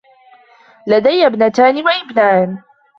لدي ابنتان و ابنان.